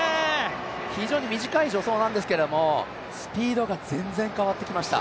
非常に短い助走なんですが、スピードが全然変わってきました。